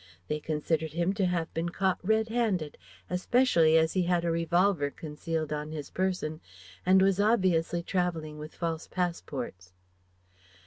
They considered him to have been caught red handed, especially as he had a revolver concealed on his person and was obviously travelling with false passports.